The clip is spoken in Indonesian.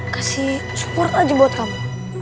kasih support aja buat kamu